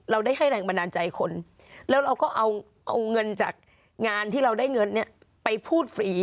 เราได้ให้แรงบันดาลใจคนแล้วเราก็เอาเงินจากงานที่เราได้เงินเนี่ยไปพูดฟรี